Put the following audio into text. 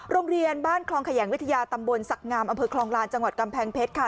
โรงเรียนบ้านคลองแขยงวิทยาตำบลศักดิ์งามอำเภอคลองลานจังหวัดกำแพงเพชรค่ะ